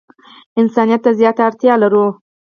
انسانیت ته زیاته اړتیا لرو.